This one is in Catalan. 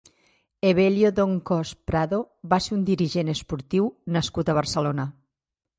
Evelio Doncós Prado va ser un dirigent esportiu nascut a Barcelona.